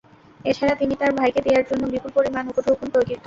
এছাড়া তিনি তার ভাইকে দেয়ার জন্যে বিপুল পরিমাণ উপঢৌকন তৈরি রাখলেন।